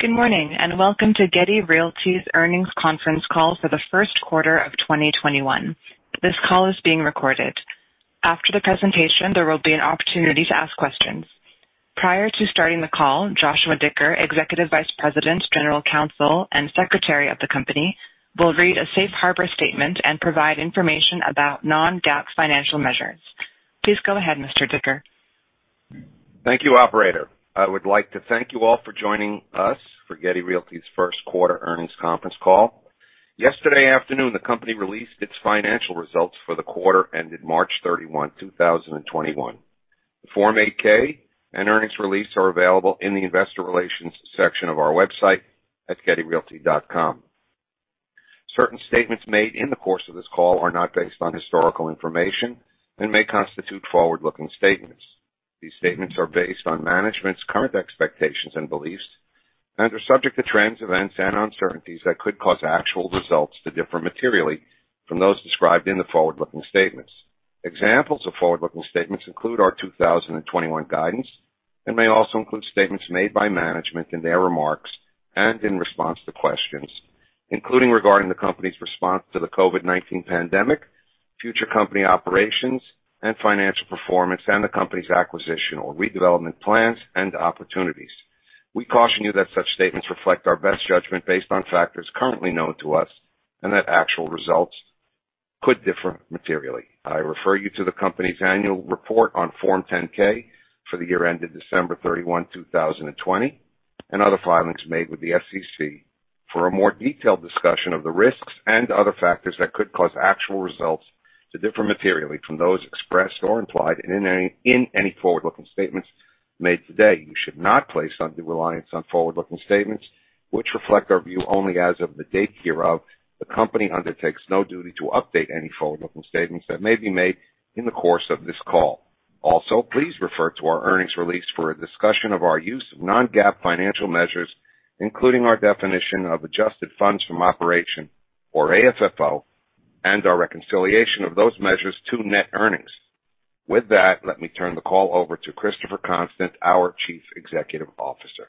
Good morning, and welcome to Getty Realty's earnings conference call for the first quarter of 2021. This call is being recorded. After the presentation, there will be an opportunity to ask questions. Prior to starting the call, Joshua Dicker, Executive Vice President, General Counsel, and Secretary of the company, will read a safe harbor statement and provide information about non-GAAP financial measures. Please go ahead, Mr. Dicker. Thank you, operator. I would like to thank you all for joining us for Getty Realty's first quarter earnings conference call. Yesterday afternoon, the company released its financial results for the quarter ended March 31, 2021. The Form 8-K and earnings release are available in the investor relations section of our website at gettyrealty.com. Certain statements made in the course of this call are not based on historical information and may constitute forward-looking statements. These statements are based on management's current expectations and beliefs and are subject to trends, events, and uncertainties that could cause actual results to differ materially from those described in the forward-looking statements. Examples of forward-looking statements include our 2021 guidance and may also include statements made by management in their remarks and in response to questions, including regarding the company's response to the COVID-19 pandemic, future company operations and financial performance, and the company's acquisition or redevelopment plans and opportunities. We caution you that such statements reflect our best judgment based on factors currently known to us, and that actual results could differ materially. I refer you to the company's annual report on Form 10-K for the year ended December 31, 2020, and other filings made with the SEC for a more detailed discussion of the risks and other factors that could cause actual results to differ materially from those expressed or implied in any forward-looking statements made today. You should not place undue reliance on forward-looking statements, which reflect our view only as of the date hereof. The company undertakes no duty to update any forward-looking statements that may be made in the course of this call. Please refer to our earnings release for a discussion of our use of non-GAAP financial measures, including our definition of adjusted funds from operation, or AFFO, and our reconciliation of those measures to net earnings. With that, let me turn the call over to Christopher Constant, our Chief Executive Officer.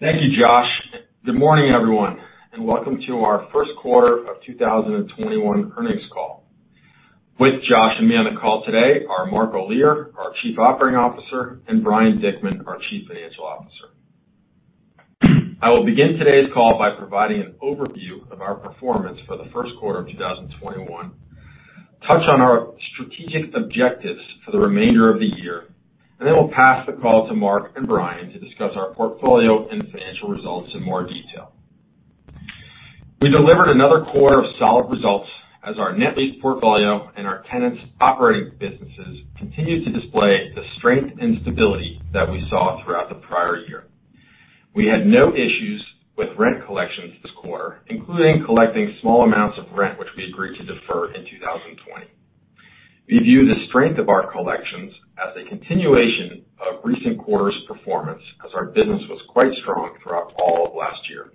Thank you, Josh. Good morning, everyone. Welcome to our 1st quarter of 2021 earnings call. With Josh and me on the call today are Mark Olear, our Chief Operating Officer, and Brian Dickman, our Chief Financial Officer. I will begin today's call by providing an overview of our performance for the 1st quarter of 2021, touch on our strategic objectives for the remainder of the year, and then we'll pass the call to Mark and Brian to discuss our portfolio and financial results in more detail. We delivered another quarter of solid results as our net lease portfolio and our tenants' operating businesses continued to display the strength and stability that we saw throughout the prior year. We had no issues with rent collections this quarter, including collecting small amounts of rent, which we agreed to defer in 2020. We view the strength of our collections as a continuation of recent quarters' performance as our business was quite strong throughout all of last year.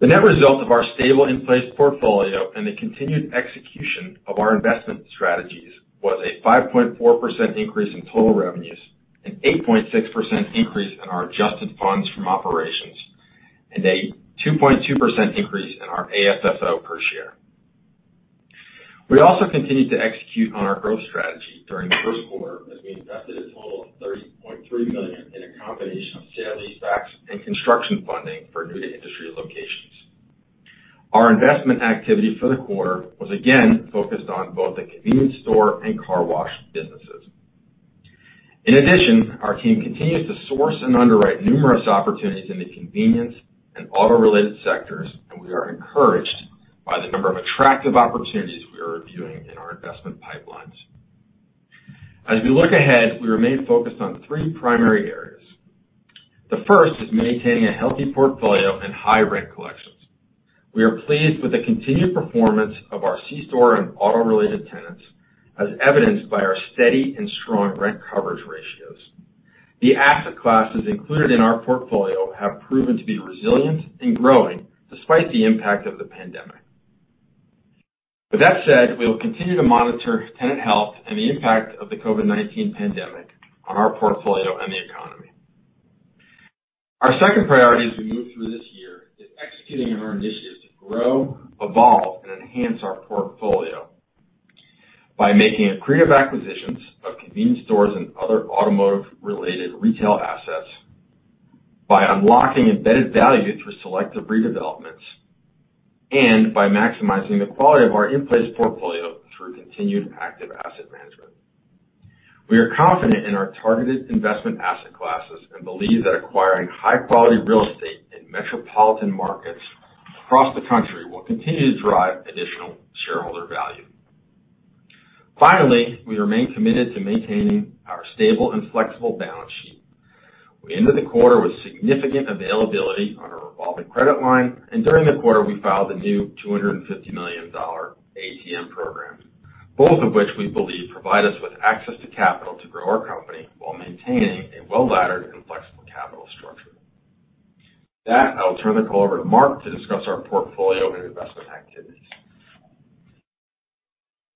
The net result of our stable in-place portfolio and the continued execution of our investment strategies was a 5.4% increase in total revenues, an 8.6% increase in our adjusted funds from operations, and a 2.2% increase in our AFFO per share. We also continued to execute on our growth strategy during the first quarter as we invested a total of $30.3 million in a combination of sale leasebacks and construction funding for new-to-industry locations. Our investment activity for the quarter was again focused on both the convenience store and car wash businesses. In addition, our team continues to source and underwrite numerous opportunities in the convenience and auto-related sectors, and we are encouraged by the number of attractive opportunities we are reviewing in our investment pipelines. As we look ahead, we remain focused on three primary areas. The first is maintaining a healthy portfolio and high rent collections. We are pleased with the continued performance of our C-store and auto-related tenants, as evidenced by our steady and strong rent coverage ratios. The asset classes included in our portfolio have proven to be resilient and growing despite the impact of the pandemic. With that said, we will continue to monitor tenant health and the impact of the COVID-19 pandemic on our portfolio and the economy. Our second priority as we move through this year is executing on our initiatives to grow, evolve, and enhance our portfolio by making accretive acquisitions of convenience stores and other automotive-related retail assets by unlocking embedded value through selective redevelopments and by maximizing the quality of our in-place portfolio through continued active asset management. We are confident in our targeted investment asset classes and believe that acquiring high-quality real estate in metropolitan markets across the country will continue to drive additional shareholder value. Finally, we remain committed to maintaining our stable and flexible balance sheet. We ended the quarter with significant availability on our revolving credit line, and during the quarter, we filed a new $250 million ATM program, both of which we believe provide us with access to capital to grow our company while maintaining a well-laddered and flexible capital structure. I will turn the call over to Mark to discuss our portfolio and investment activity.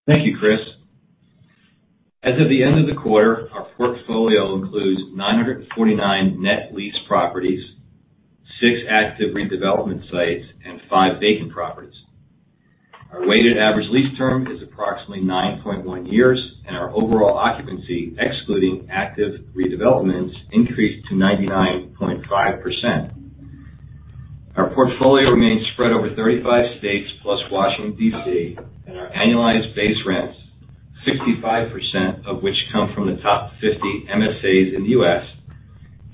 Thank you, Chris. As of the end of the quarter, our portfolio includes 949 net lease properties, six active redevelopment sites, and five vacant properties. Our weighted average lease term is approximately 9.1 years, and our overall occupancy, excluding active redevelopments, increased to 99.5%. Our portfolio remains spread over 35 states, plus Washington D.C., and our annualized base rents, 65% of which come from the top 50 MSAs in the U.S.,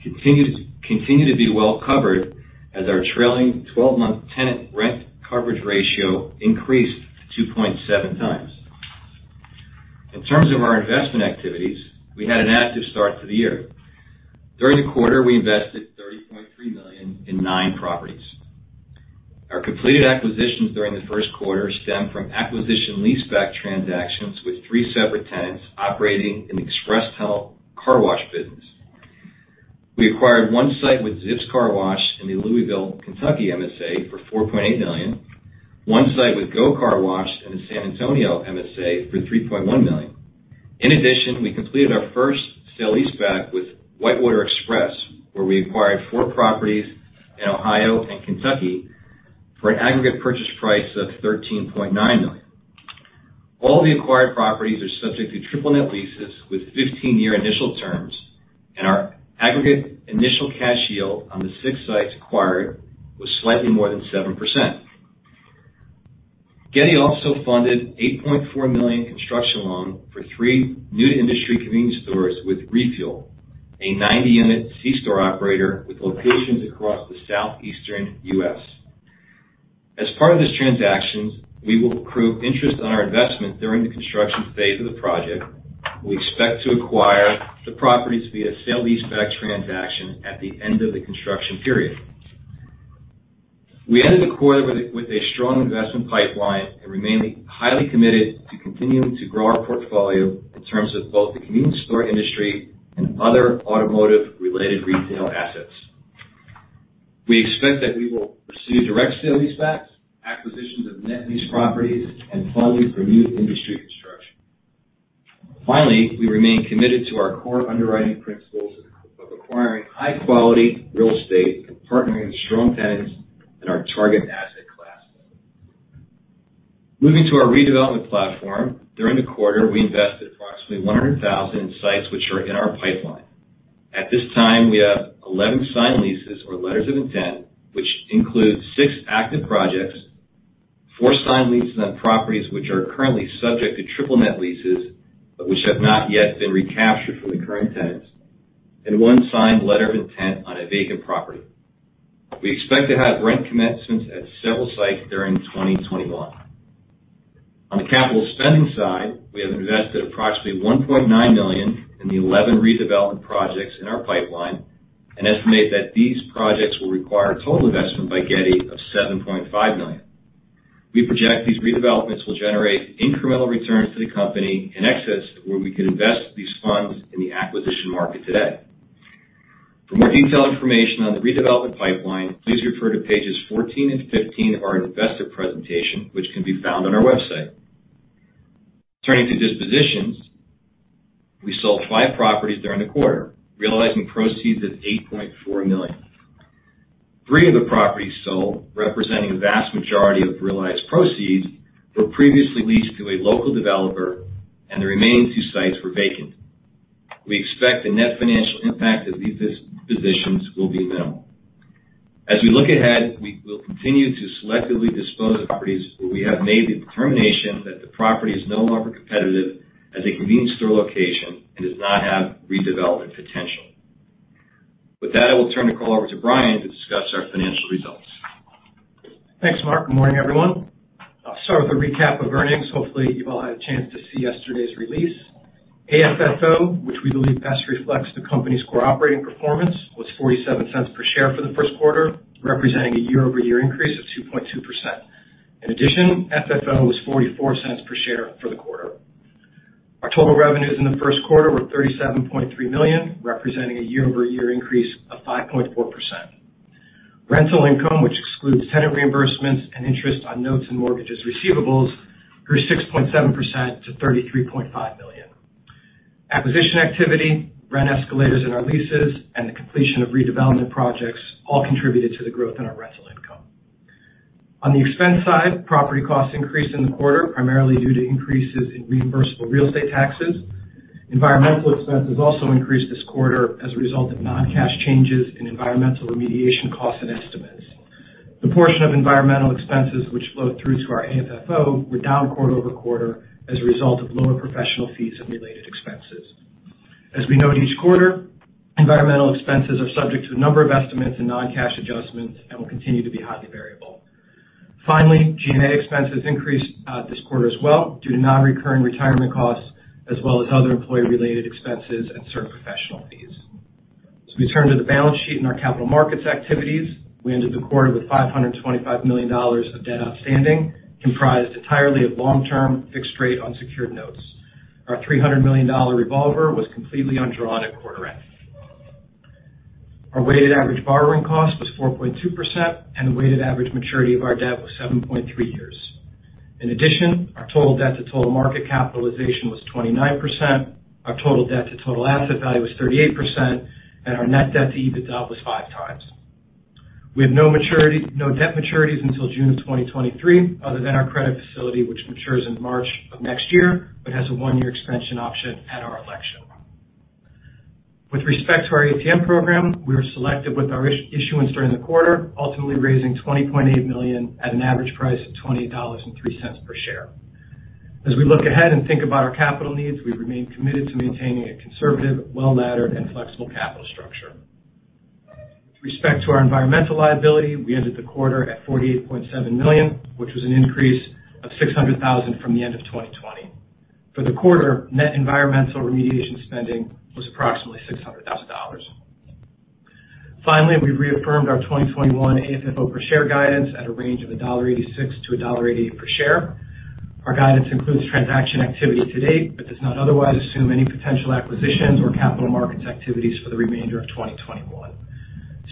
continue to be well-covered, as our trailing 12-month tenant rent coverage ratio increased to 2.7 times. In terms of our investment activities, we had an active start to the year. During the quarter, we invested $30.3 million in nine properties. Our completed acquisitions during the first quarter stemmed from acquisition leaseback transactions with three separate tenants operating an express tunnel car wash business. We acquired one site with Zips Car Wash in the Louisville, Kentucky MSA for $4.8 million, one site with GO Car Wash in the San Antonio MSA for $3.1 million. In addition, we completed our first sale leaseback with WhiteWater Express, where we acquired four properties in Ohio and Kentucky for an aggregate purchase price of $13.9 million. All the acquired properties are subject to triple net leases with 15-year initial terms, and our aggregate initial cash yield on the six sites acquired was slightly more than 7%. Getty also funded $8.4 million construction loan for three new-to-industry convenience stores with Refuel, a 90-unit C-store operator with locations across the southeastern U.S. As part of this transaction, we will accrue interest on our investment during the construction phase of the project. We expect to acquire the properties via sale leaseback transaction at the end of the construction period. We ended the quarter with a strong investment pipeline and remain highly committed to continuing to grow our portfolio in terms of both the convenience store industry and other automotive-related retail assets. We expect that we will pursue direct sale leasebacks, acquisitions of net lease properties, and funding for new-to-industry construction. Finally, we remain committed to our core underwriting principles of acquiring high-quality real estate and partnering with strong tenants in our target asset class. Moving to our redevelopment platform. During the quarter, we invested approximately $100,000 in sites which are in our pipeline. At this time, we have 11 signed leases or letters of intent, which includes six active projects, four signed leases on properties which are currently subject to triple net leases, but which have not yet been recaptured from the current tenants, and one signed letter of intent on a vacant property. We expect to have rent commencements at several sites during 2021. On the capital spending side, we have invested approximately $1.9 million in the 11 redevelopment projects in our pipeline and estimate that these projects will require total investment by Getty of $7.5 million. We project these redevelopments will generate incremental returns to the company in excess of where we could invest these funds in the acquisition market today. For more detailed information on the redevelopment pipeline, please refer to pages 14 and 15 of our investor presentation, which can be found on our website. Turning to dispositions. We sold five properties during the quarter, realizing proceeds of $8.4 million. Three of the properties sold, representing the vast majority of realized proceeds, were previously leased to a local developer, and the remaining two sites were vacant. We expect the net financial impact of these dispositions will be minimal. As we look ahead, we will continue to selectively dispose of properties where we have made the determination that the property is no longer competitive as a convenience store location and does not have redevelopment potential. With that, I will turn the call over to Brian to discuss our financial results. Thanks, Mark. Good morning, everyone. I'll start with a recap of earnings. Hopefully, you've all had a chance to see yesterday's release. AFFO, which we believe best reflects the company's core operating performance, was $0.47 per share for the first quarter, representing a year-over-year increase of 2.2%. In addition, FFO was $0.44 per share for the quarter. Our total revenues in the first quarter were $37.3 million, representing a year-over-year increase of 5.4%. Rental income, which excludes tenant reimbursements and interest on notes and mortgages receivables, grew 6.7% to $33.5 million. Acquisition activity, rent escalators in our leases, and the completion of redevelopment projects all contributed to the growth in our rental income. On the expense side, property costs increased in the quarter, primarily due to increases in reimbursable real estate taxes. Environmental expenses also increased this quarter as a result of non-cash changes in environmental remediation costs and estimates. The portion of environmental expenses which flow through to our AFFO were down quarter-over-quarter as a result of lower professional fees and related expenses. As we note each quarter, environmental expenses are subject to a number of estimates and non-cash adjustments and will continue to be highly variable. Finally, G&A expenses increased this quarter as well due to non-recurring retirement costs as well as other employee-related expenses and certain professional fees. As we turn to the balance sheet and our capital markets activities, we ended the quarter with $525 million of debt outstanding, comprised entirely of long-term fixed-rate unsecured notes. Our $300 million revolver was completely undrawn at quarter end. Our weighted average borrowing cost was 4.2%, and the weighted average maturity of our debt was 7.3 years. In addition, our total debt to total market capitalization was 29%, our total debt to total asset value was 38%, and our net debt to EBITDA was 5x. We have no debt maturities until June of 2023, other than our credit facility, which matures in March of next year, but has a one-year extension option at our election. With respect to our ATM program, we were selective with our issuance during the quarter, ultimately raising $20.8 million at an average price of $20.03 per share. As we look ahead and think about our capital needs, we remain committed to maintaining a conservative, well-laddered, and flexible capital structure. With respect to our environmental liability, we ended the quarter at $48.7 million, which was an increase of $600,000 from the end of 2020. For the quarter, net environmental remediation spending was approximately $600,000. Finally, we reaffirmed our 2021 AFFO per share guidance at a range of $1.86-$1.88 per share. Our guidance includes transaction activity to date but does not otherwise assume any potential acquisitions or capital markets activities for the remainder of 2021.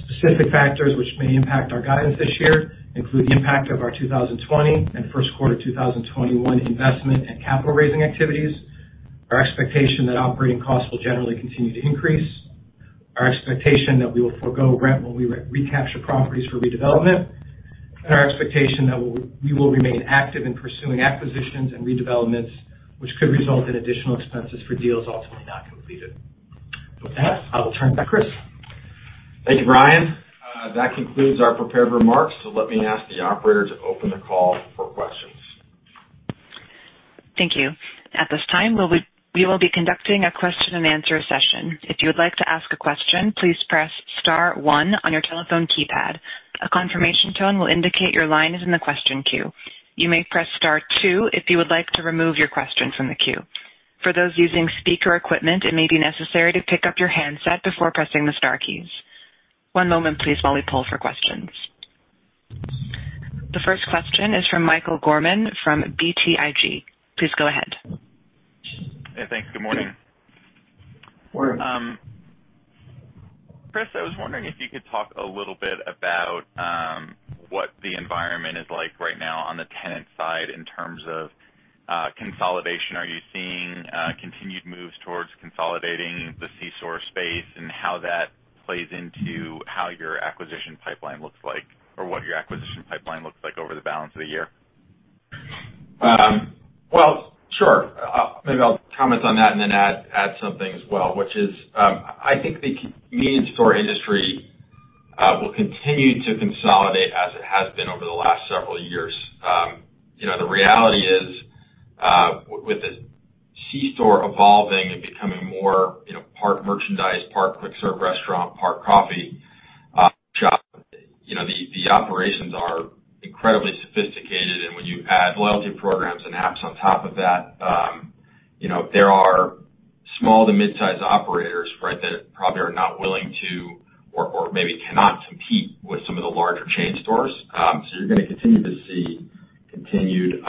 Specific factors which may impact our guidance this year include the impact of our 2020 and first quarter 2021 investment and capital-raising activities, our expectation that operating costs will generally continue to increase, our expectation that we will forego rent when we recapture properties for redevelopment, and our expectation that we will remain active in pursuing acquisitions and redevelopments, which could result in additional expenses for deals ultimately not completed. With that, I will turn it back Chris. Thank you, Brian. That concludes our prepared remarks. Let me ask the operator to open the call for questions. Thank you. At this time, we will be conducting a question and answer session. If you would like to ask a question, please press star one on your telephone keypad. A confirmation tone will indicate your line is in the question queue. You may press star two if you would like to remove your question from the queue. For those using speaker equipment, it may be necessary to pick up your handset before pressing the star keys. One moment please while we poll for questions. The first question is from Michael Gorman from BTIG. Please go ahead. Yeah, thanks. Good morning. Morning. Chris, I was wondering if you could talk a little bit about what the environment is like right now on the tenant side in terms of consolidation. Are you seeing continued moves towards consolidating the C-store space and how that plays into how your acquisition pipeline looks like, or what your acquisition pipeline looks like over the balance of the year? Well, sure. Maybe I'll comment on that and then add something as well, which is, I think the convenience store industry will continue to consolidate as it has been over the last several years. The reality is, with the C-store evolving and becoming more part merchandise, part quick-serve restaurant, part coffee shop, the operations are incredibly sophisticated. When you add loyalty programs and apps on top of that, there are small to mid-size operators that probably are not willing to or maybe cannot compete with some of the larger chain stores. You're going to continue to see continued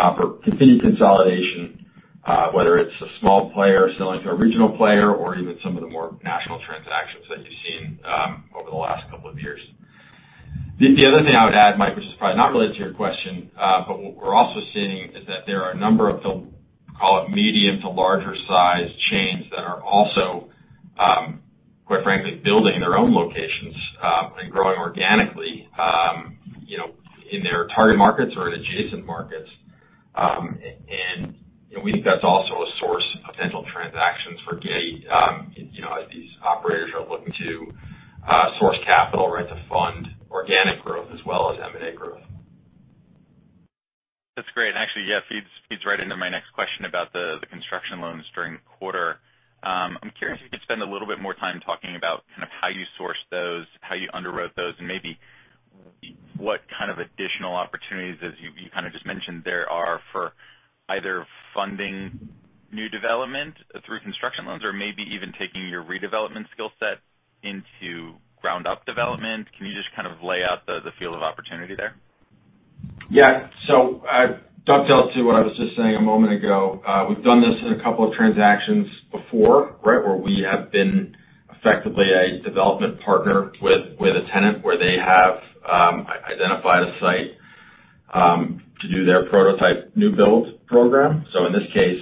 consolidation, whether it's a small player selling to a regional player or even some of the more national transactions that you've seen over the last couple of years. The other thing I would add, Mike, which is probably not related to your question, but what we're also seeing is that there are a number of the, call it medium to larger size chains that are also, quite frankly, building their own locations and growing organically in their target markets or in adjacent markets. We think that's also a source of potential transactions for Getty as these operators are looking to source capital to fund organic growth as well as M&A growth. That's great, and actually, yeah, feeds right into my next question about the construction loans during the quarter. I'm curious if you could spend a little bit more time talking about how you sourced those, how you underwrote those, and maybe what kind of additional opportunities, as you kind of just mentioned there, are for either funding new development through construction loans or maybe even taking your redevelopment skill set into ground-up development. Can you just kind of lay out the field of opportunity there? Yeah. Dovetail to what I was just saying a moment ago. We've done this in a couple of transactions before, where we have been effectively a development partner with a tenant where they have identified a site to do their prototype new build program. In this case,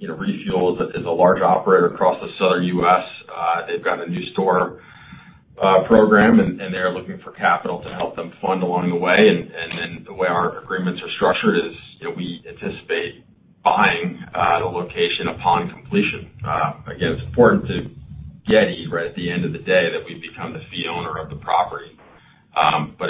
Refuel is a large operator across the southern U.S. They've got a new store program, and they're looking for capital to help them fund along the way. The way our agreements are structured is we anticipate buying the location upon completion. Again, it's important to Getty, at the end of the day, that we become the fee owner of the property.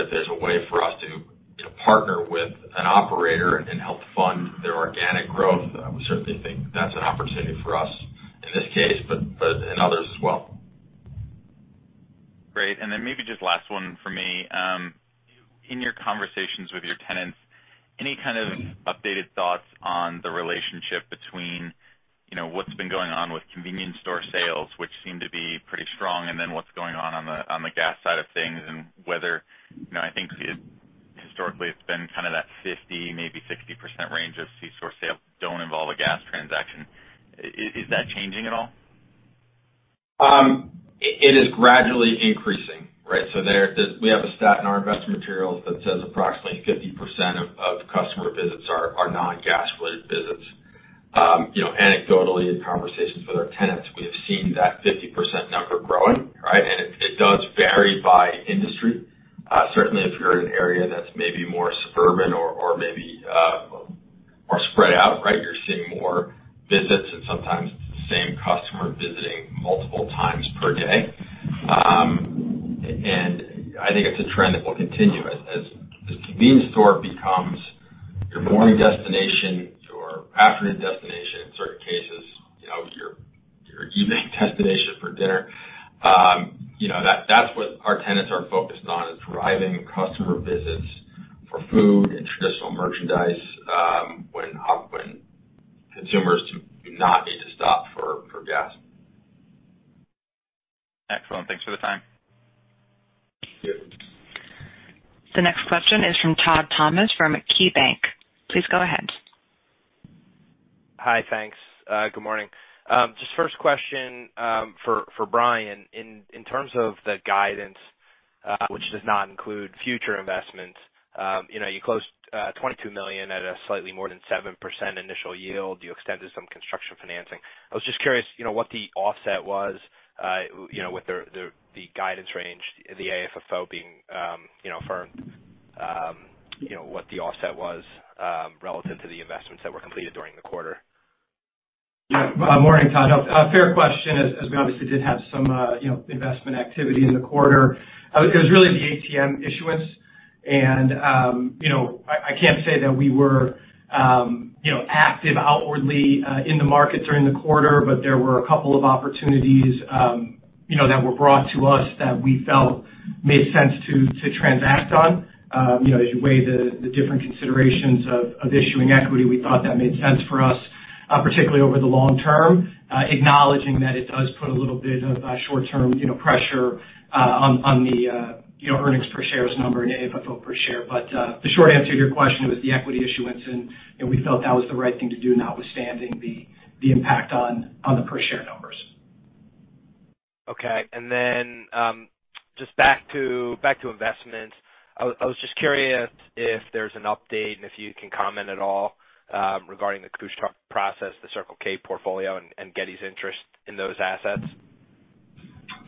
If there's a way for us to partner with an operator and help fund their organic growth, we certainly think that's an opportunity for us in this case, but in others as well. Great. Maybe just last one for me. In your conversations with your tenants, any kind of updated thoughts on the relationship between what's been going on with convenience store sales, which seem to be pretty strong, and then what's going on, on the gas side of things and whether? 50%-60% range of C-store sales don't involve a gas transaction. Is that changing at all? It is gradually increasing, right? We have a stat in our investment materials that says approximately 50% of customer visits are non-gas related visits. Anecdotally, in conversations with our tenants, we have seen that 50% number growing, right? It does vary by industry. Certainly if you're in an area that's maybe more suburban or maybe more spread out, right, you're seeing more visits and sometimes it's the same customer visiting multiple times per day. I think it's a trend that will continue as the convenience store becomes your morning destination, your afternoon destination, in certain cases, your evening destination for dinner. That's what our tenants are focused on is driving customer visits for food and traditional merchandise, when consumers do not need to stop for gas. Excellent. Thanks for the time. Yep. The next question is from Todd Thomas from KeyBank. Please go ahead. Hi. Thanks. Good morning. Just first question for Brian. In terms of the guidance, which does not include future investments, you closed $22 million at a slightly more than 7% initial yield. You extended some construction financing. I was just curious what the offset was with the guidance range, the AFFO being firm, what the offset was relative to the investments that were completed during the quarter? Yeah. Morning, Todd. Fair question as we obviously did have some investment activity in the quarter. It was really the ATM issuance and I can't say that we were active outwardly in the market during the quarter, but there were a couple of opportunities that were brought to us that we felt made sense to transact on. As you weigh the different considerations of issuing equity, we thought that made sense for us, particularly over the long term, acknowledging that it does put a little bit of short-term pressure on the earnings per share number and AFFO per share. The short answer to your question was the equity issuance and we felt that was the right thing to do notwithstanding the impact on the per share numbers. Okay. Just back to investments. I was just curious if there's an update and if you can comment at all regarding the Couche-Tard process, the Circle K portfolio, and Getty's interest in those assets.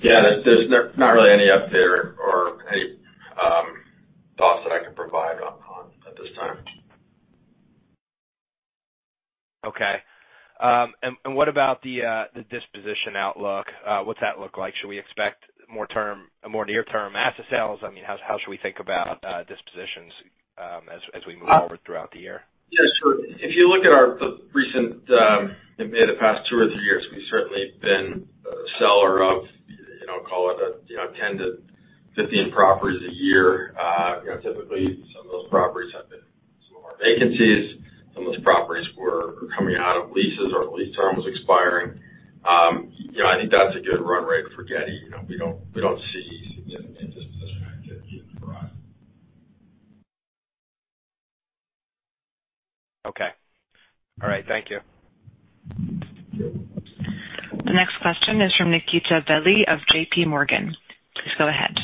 Yeah. There's not really any update or any thoughts that I can provide at this time. Okay. What about the disposition outlook? What's that look like? Should we expect more near-term asset sales? How should we think about dispositions as we move forward throughout the year? Yeah, sure. If you look at the past two or three years, we've certainly been a seller of call it 10-15 properties a year. Typically, some of those properties have been some of our vacancies. Some of those properties were coming out of leases or lease terms expiring. I think that's a good run rate for Getty. We don't see significant disposition activity on the horizon. Okay. All right. Thank you. Yep. The next question is from Nikita Bely of JPMorgan. Please go ahead.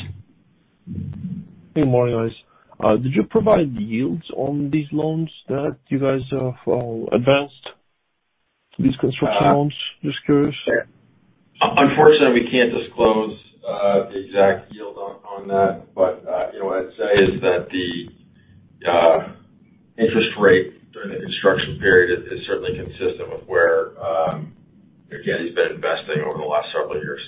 Good morning, guys. Did you provide yields on these loans that you guys have advanced, these construction loans? Just curious. Unfortunately, we can't disclose the exact yield on that. What I'd say is that the interest rate during the construction period is certainly consistent with where Getty's been investing over the last several years.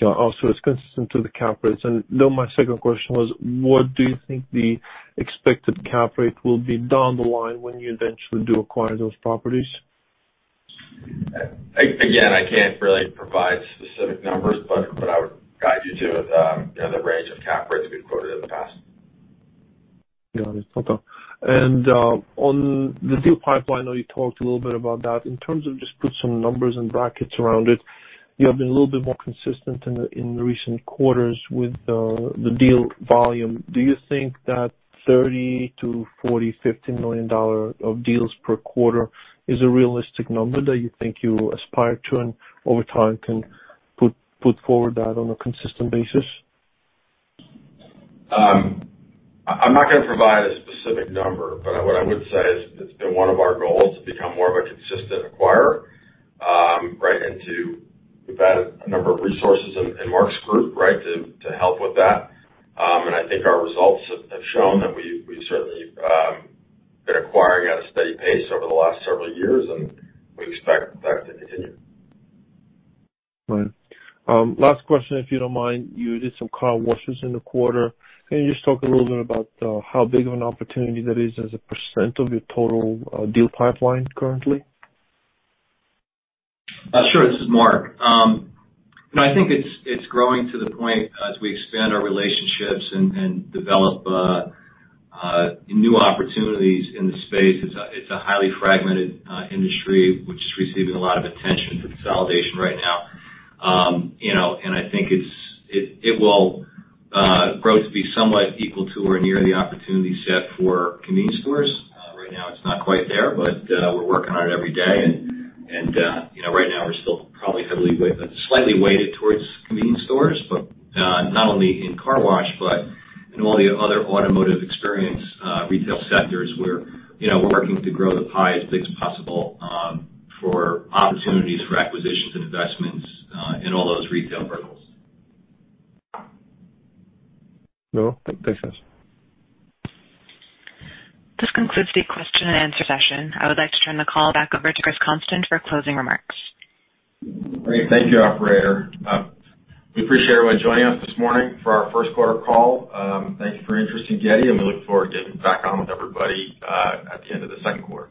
Got it. It's consistent to the cap rates. My second question was, what do you think the expected cap rate will be down the line when you eventually do acquire those properties? Again, I can't really provide specific numbers, but what I would guide you to is the range of cap rates we've quoted in the past. Got it. No problem. On the deal pipeline, I know you talked a little bit about that. In terms of just put some numbers and brackets around it, you have been a little bit more consistent in the recent quarters with the deal volume. Do you think that $30 million to $40 million, $50 million of deals per quarter is a realistic number that you think you aspire to and over time can put forward that on a consistent basis? I'm not gonna provide a specific number, but what I would say is it's been one of our goals to become more of a consistent acquirer, right? We've added a number of resources in Mark's group, right, to help with that. I think our results have shown that we certainly have been acquiring at a steady pace over the last several years, and we expect that to continue. Right. Last question, if you don't mind. You did some car washes in the quarter. Can you just talk a little bit about how big of an opportunity that is as a % of your total deal pipeline currently? Sure. This is Mark. I think it's growing to the point as we expand our relationships and develop new opportunities in the space. It's a highly fragmented industry, which is receiving a lot of attention for consolidation right now. I think it will grow to be somewhat equal to or near the opportunity set for convenience stores. Right now it's not quite there, but we're working on it every day, and right now we're still probably slightly weighted towards convenience stores. Not only in car wash, but in all the other automotive experience retail sectors where we're working to grow the pie as big as possible for opportunities for acquisitions and investments in all those retail verticals. No problem. Thanks, guys. This concludes the question and answer session. I would like to turn the call back over to Chris Constant for closing remarks. Great. Thank you, operator. We appreciate everyone joining us this morning for our first quarter call. Thank you for your interest in Getty, and we look forward to getting back on with everybody at the end of the second quarter.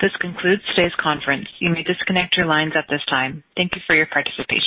This concludes today's conference. You may disconnect your lines at this time. Thank you for your participation.